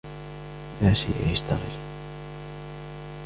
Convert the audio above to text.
لا شيء يشتغل.